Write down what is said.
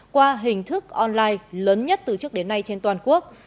qua hình thức online lớn nhất từ trước đến nay trên toàn quốc